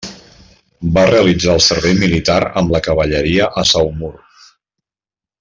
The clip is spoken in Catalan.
Va realitzar el servei militar amb la cavalleria a Saumur.